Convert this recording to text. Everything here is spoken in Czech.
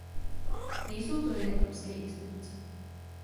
Nejsou to jen evropské instituce.